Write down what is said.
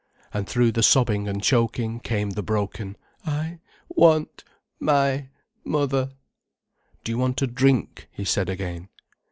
And through the sobbing and choking came the broken: "I—want—my—mother." "Do you want a drink?" he said again.